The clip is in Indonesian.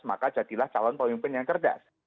maka jadilah calon pemimpin yang cerdas